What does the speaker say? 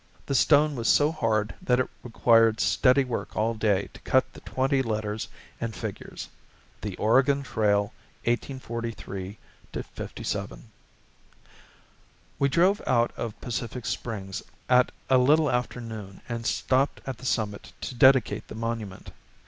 The stone was so hard that it required steady work all day to cut the twenty letters and figures: THE OREGON TRAIL, 1843 57. We drove out of Pacific Springs at a little after noon and stopped at the summit to dedicate the monument.